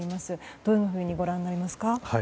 どういうふうにご覧になりますか。